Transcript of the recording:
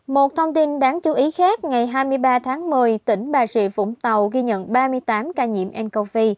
một thông tin đáng chú ý khác ngày hai mươi ba tháng một mươi tỉnh bà rịa vũng tàu ghi nhận ba mươi tám ca nhiễm ncov